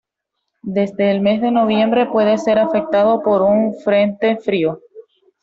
Desde el mes de noviembre puede ser afectado por un frente frío.